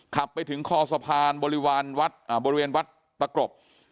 ขับไปถึงคอสะพานบริเวณวัดประกรบ